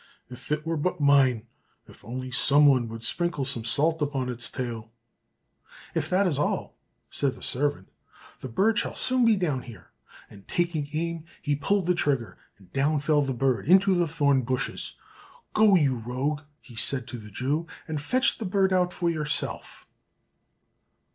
If it were but mine! If only someone would sprinkle some salt upon its tail!" "If that is all," said the servant, "the bird shall soon be down here;" And taking aim he pulled the trigger, and down fell the bird into the thorn bushes. "Go, you rogue," he said to the Jew, "and fetch the bird out for yourself!"